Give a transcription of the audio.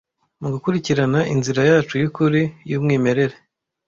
Mugukurikirana inzira yacu yukuri, yumwimerere;